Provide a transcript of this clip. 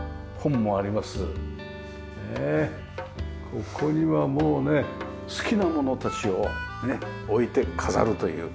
ここにはもうね好きなものたちを置いて飾るというか。